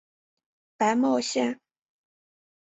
白茂线